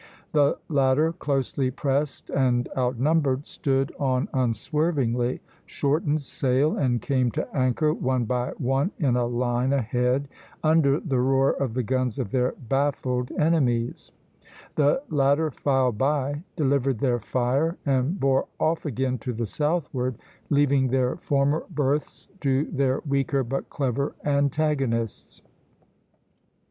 The latter, closely pressed and outnumbered, stood on unswervingly, shortened sail, and came to anchor, one by one, in a line ahead (B, B'), under the roar of the guns of their baffled enemies. The latter filed by, delivered their fire, and bore off again to the southward, leaving their former berths to their weaker but clever antagonists. [Illustration: Pl. XIX. HOOD & DE GRASSE.